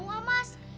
mau gak mas